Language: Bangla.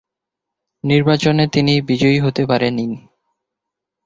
নির্বাচনে তিনি বিজয়ী হতে পারেন নি।